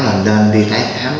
là nên đi thái thám